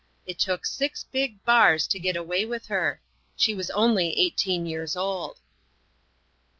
It took six big bars to get away with her. She was only 18 years old."